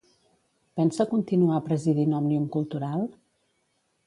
Pensa continuar presidint Òmnium Cultural?